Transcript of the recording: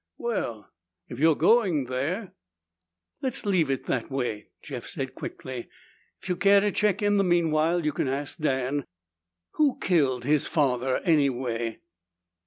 "Well, if you're going there " "Let's leave it that way," Jeff said quickly. "If you care to check in the meanwhile, you can ask Dan. Who killed his father, anyway?"